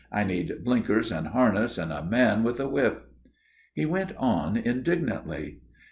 I need blinkers and harness and a man with a whip." He went on indignantly.